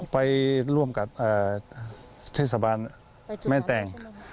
ไปร่วมกับเทศบาลแม่แตง